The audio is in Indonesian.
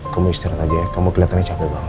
kamu istirahat aja ya kamu keliatannya capek banget